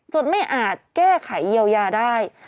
ไม่อาจแก้ไขเยียวยาได้